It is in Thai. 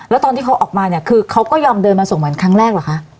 แล้วตอนที่เขาออกมาเนี่ยคือเขาก็ยอมเดินมาส่งเหมือนครั้งแรกเหรอคะ